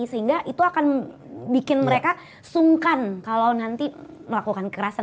sehingga itu akan bikin mereka sungkan kalau nanti melakukan kekerasan